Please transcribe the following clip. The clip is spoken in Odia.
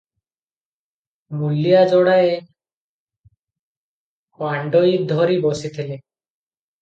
ମୂଲିଆ ଯୋଡ଼ାଏ ପାଣ୍ଡୋଇ ଧରି ବସିଥିବେ ।